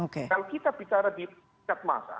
kalau kita bicara di tingkat masa